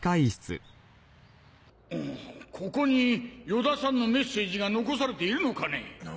ここに与田さんのメッセージが残されているのかね？